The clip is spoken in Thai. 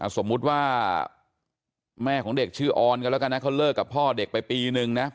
สมมุติว่าแม่ของเด็กชื่อออนกันแล้วกันนะเขาเลิกกับพ่อเด็กไปปีนึงนะ